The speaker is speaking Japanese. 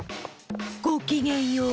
ごきげんよう！